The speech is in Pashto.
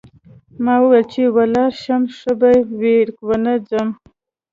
ما وویل چې ولاړ شم ښه به وي چې ونه ځم.